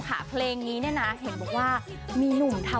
กับเพลงที่มีชื่อว่ากี่รอบก็ได้